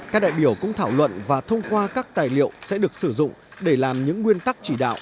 các đại biểu cũng thảo luận và thông qua các tài liệu sẽ được sử dụng để làm những nguyên tắc chỉ đạo